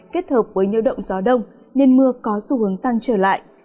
kết hợp với nhiễu động gió đông nên mưa có xu hướng tăng trở lại